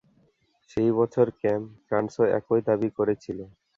সেই বছর ক্যাম্প ট্রান্সও একই দাবি করেছিল।